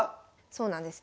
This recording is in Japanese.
そうなんです